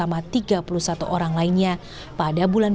jadi keadaan ini sangat buruk